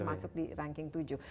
masuk di ranking tujuh